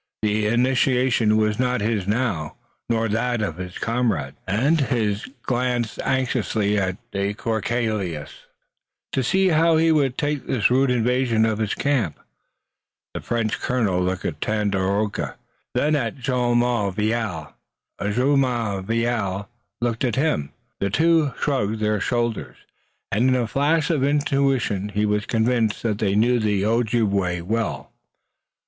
The initiative was not his now, nor that of his comrades, and he glanced anxiously at de Courcelles to see how he would take this rude invasion of his camp. The French colonel looked at Tandakora, then at Jumonville, and Jumonville looked at him. The two shrugged their shoulders, and in a flash of intuition he was convinced that they knew the Ojibway well.